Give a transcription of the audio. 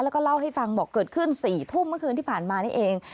แล้วก็เล่าให้ฟังบอกเกิดขึ้น๔ทุ่มเมื่อคืนที่ผ่านมานี่เอง